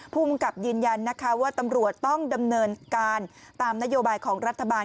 ภูมิกับยืนยันนะคะว่าตำรวจต้องดำเนินการตามนโยบายของรัฐบาล